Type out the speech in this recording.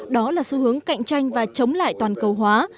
đó là xu hướng cạnh tranh và chống lại toàn cầu hóa